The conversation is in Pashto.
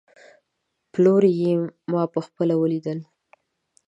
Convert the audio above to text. پلوري يې، ما په خپله وليدل